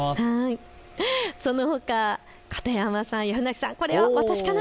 そのほか片山さんや船木さんこれは私かな？